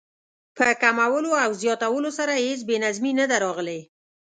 په کمولو او زیاتولو سره هېڅ بې نظمي نه ده راغلې.